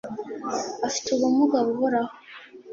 Afite ubumuga buhoraho